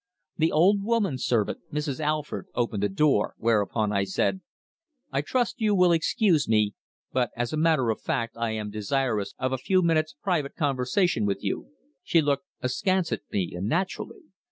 The old woman servant, Mrs. Alford, opened the door, whereupon I said: "I trust you will excuse me, but as a matter of fact I am desirous of a few minutes' private conversation with you." She looked askance at me, and naturally.